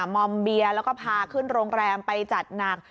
มอมเบียร์แล้วก็พาขึ้นโรงแรมไปจัดหนัก